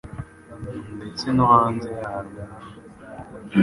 ndetse no hanze yarwo